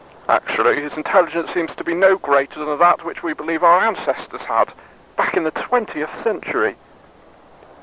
"Actually, his intelligence seems to be no greater than that which we believe our ancestors had, back in the twentieth century."